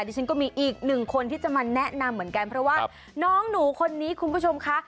ดิฉันก็มีอีกหนึ่งคนที่จะมาแนะนำเหมือนกันเพราะว่าน้องหนูคนนี้คุณผู้ชมค่ะ